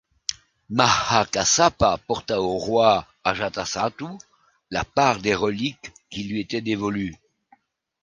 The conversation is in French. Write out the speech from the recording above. Maha Kassapa porta au roi Ajatasattu la part des reliques qui lui était dévolue.